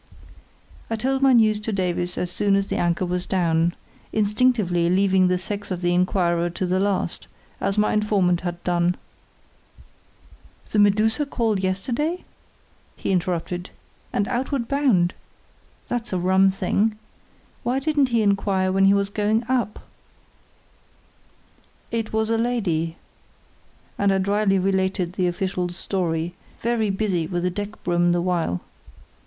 I told my news to Davies as soon as the anchor was down, instinctively leaving the sex of the inquirer to the last, as my informant had done. "The Medusa called yesterday?" he interrupted. "And outward bound? That's a rum thing. Why didn't he inquire when he was going up?" "It was a lady," and I drily retailed the official's story, very busy with a deck broom the while.